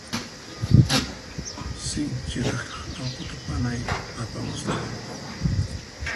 Sinchi raqraq allquta panay apamusqa.